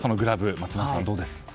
松丸さん、どうですか。